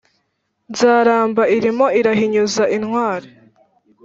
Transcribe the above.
Nzaramba ilimo irahinyuza intwali.